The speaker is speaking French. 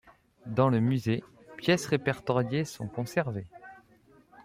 Dans le musée, pièces répertoriées sont conservées.